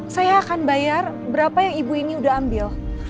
saya akan bayar berapa yang ibu ini udah ambil